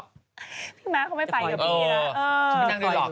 ข้ามี้เขาไม่ไปกับพี่ล่ะ